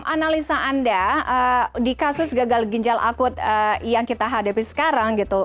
analisa anda di kasus gagal ginjal akut yang kita hadapi sekarang gitu